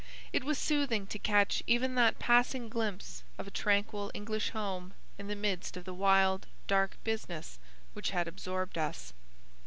It was soothing to catch even that passing glimpse of a tranquil English home in the midst of the wild, dark business which had absorbed us.